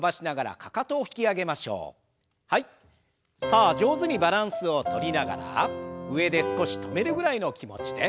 さあ上手にバランスをとりながら上で少し止めるぐらいの気持ちで。